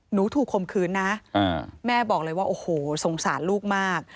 หนูถูกคมคืนนะแม่บอกเลยว่าโอ้โหสงสารลูกมาก